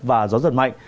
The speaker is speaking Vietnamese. và gió giật mạnh